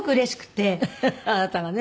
あなたがね。